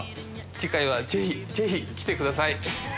次回はぜひぜひ来てください！